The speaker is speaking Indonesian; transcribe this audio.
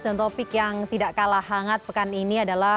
dan topik yang tidak kalah hangat pekan ini adalah